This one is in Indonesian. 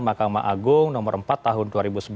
makam agung nomor empat tahun dua ribu sebelas